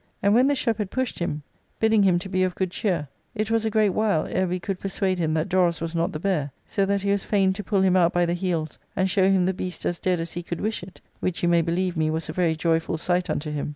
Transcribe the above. And when this shepherd pushed him, bidding him to be of good cheer, it was a great while ere we could persuade him that Dorus was not the bear, so that he was fain to pull him out by the heels and show him the beast as dead as he could wish it, which, you may believe me, was a very joyful sight unto him.